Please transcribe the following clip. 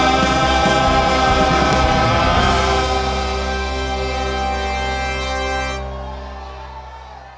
gebiar gebiar pelagi cinggah